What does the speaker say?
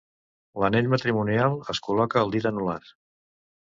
L'anell matrimonial es col·loca al dit anular.